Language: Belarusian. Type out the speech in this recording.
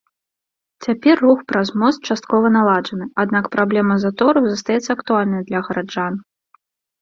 Цяпер рух праз мост часткова наладжаны, аднак праблема затораў застаецца актуальнай для гараджан.